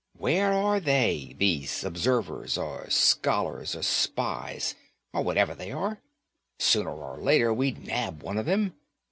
Where are they, these observers, or scholars, or spies or whatever they are? Sooner or later we'd nab one of them.